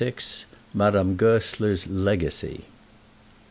MADAME GOESLER'S LEGACY.